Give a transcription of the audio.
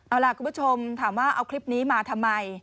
เอาล่ะคุณผู้ชมถามว่าเอาคลิปนี้มาทำไม